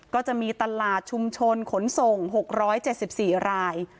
ก็จะมีตลาดชุมชนขนส่ง๖๗๔ราย